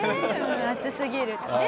熱すぎるとね。